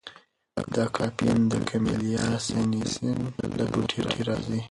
دا کافین د کمیلیا سینینسیس له بوټي راځي.